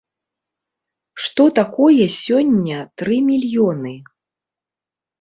Што такое сёння тры мільёны?